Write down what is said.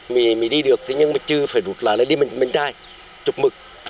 mình đi được nhưng mà chứ phải rút là đi mình trai chụp mực